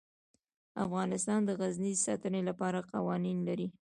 افغانستان د غزني د ساتنې لپاره قوانین لري.